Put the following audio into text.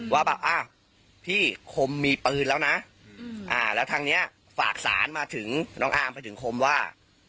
ว่าแบบอ้าวพี่คมมีปืนแล้วนะแล้วทางนี้ฝากสารมาถึงน้องอาร์มไปถึงคมว่า